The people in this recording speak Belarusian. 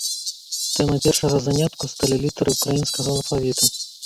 Тэмай першага занятку сталі літары ўкраінскага алфавіту.